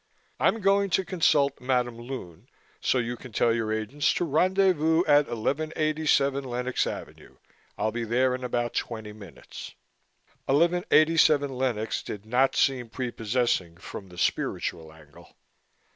I'm going to consult Madam Lune, so you can tell your agents to rendezvous at 1187 Lenox Avenue. I'll be there in about twenty minutes." Eleven eighty seven Lenox did not seem prepossessing from the spiritual angle.